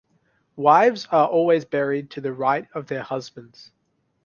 Wives are always buried to the right of their husbands.